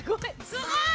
すごい。